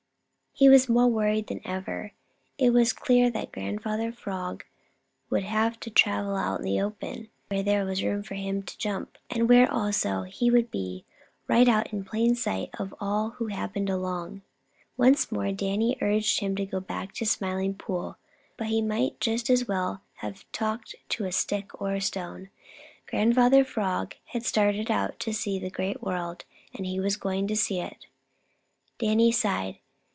He was more worried than ever. It was very clear that Grandfather Frog would have to travel out in the open, where there was room for him to jump, and where also he would be right out in plain sight of all who happened along. Once more Danny urged him to go back to the Smiling Pool, but he might just as well have talked to a stick or a stone. Grandfather Frog had started out to see the Great World, and he was going to see it. Danny sighed.